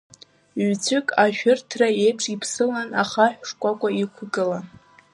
Ҩыцәк ашәырҭаҭа еиԥш иԥсыланы ахаҳә шкәакәа иқәгылан.